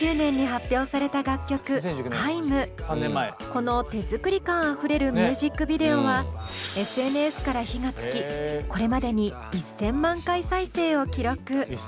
この手作り感あふれるミュージックビデオはＳＮＳから火がつきこれまでに１，０００万回再生を記録。